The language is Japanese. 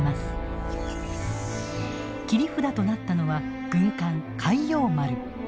切り札となったのは軍艦開陽丸。